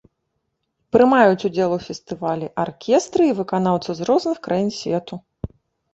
Прымаюць удзел у фестывалі аркестры і выканаўцы з розных краін свету.